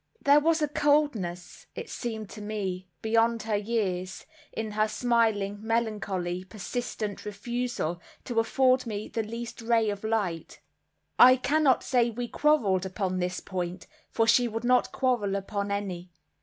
There was a coldness, it seemed to me, beyond her years, in her smiling melancholy persistent refusal to afford me the least ray of light. I cannot say we quarreled upon this point, for she would not quarrel upon any.